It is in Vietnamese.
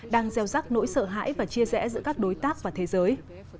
đang gieo rắc nỗi sợ hãi và chia rẽ giữa các đối tác và thế giới